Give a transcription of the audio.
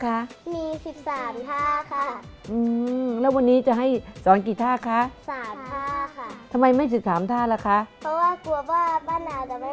เอ้าแล้วตัวช่วยป้าอยู่ไหน